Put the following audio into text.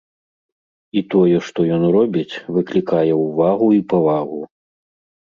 І тое, што ён робіць, выклікае ўвагу і павагу.